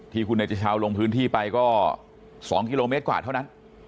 ที่คุณเนติชาวลงพื้นที่ไปก็๒กิโลเมตรกว่าเท่านั้น